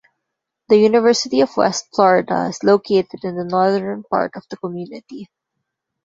The University of West Florida is located in the northern part of the community.